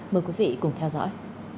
mời quý vị cùng theo dõi